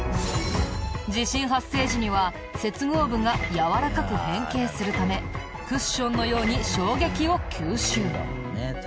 地震発生時には接合部が柔らかく変形するためクッションのように衝撃を吸収。